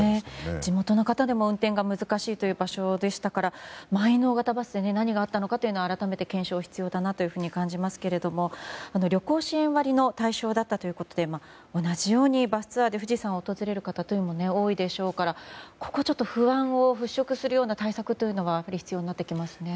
地元の方でも運転が難しいという場所でしたから満員のバスで何があったのか、改めて検証が必要だと感じますが旅行支援割の対象だったということで同じように富士山を訪れる方も多いでしょうからここ、不安を払拭する対策が必要になってきますね。